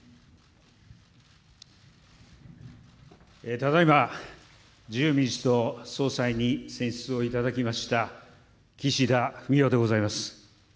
ただいま、自由民主党総裁に選出をいただきました、岸田文雄でございます。